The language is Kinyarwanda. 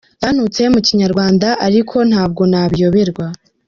Yantutse mu Kinyarwanda ariko ntabwo nabiyoberwa.”